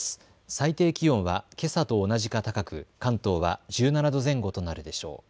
最低気温はけさと同じか高く関東は１７度前後となるでしょう。